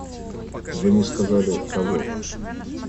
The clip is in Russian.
Вы не сказали - кого.